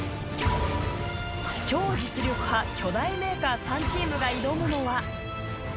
超実力派・巨大メーカー３チームが挑むのは。